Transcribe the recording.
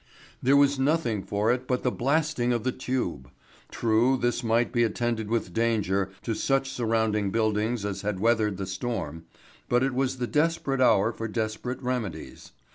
There was nothing for it but the blasting of the tube. True, this might be attended with danger to such surrounding buildings as had weathered the storm, but it was the desperate hour for desperate remedies.